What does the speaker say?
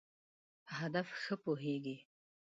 په هدف ښه پوهېږی.